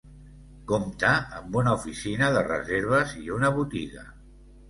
Compta amb una oficina de reserves i una botiga.